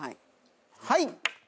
はい！